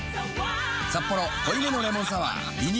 「サッポロ濃いめのレモンサワー」リニューアル